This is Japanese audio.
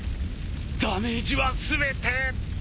ダメージは全て。